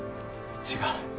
違う。